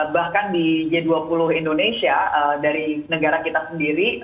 bahkan di g dua puluh indonesia dari negara kita sendiri